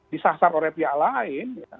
disasar oleh pihak lain